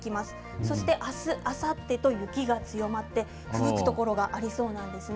そして明日、あさってと雪が強まってふぶくところがありそうなんです。